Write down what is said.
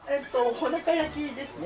ほの香焼きですね。